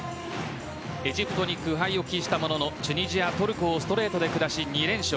エジプトに苦杯を喫したもののチュニジア、トルコをストレートで下し、２連勝。